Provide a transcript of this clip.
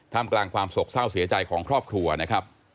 กลางกลางความโศกเศร้าเสียใจของครอบครัวนะครับ